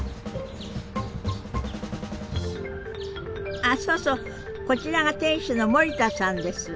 あそうそうこちらが店主の森田さんです。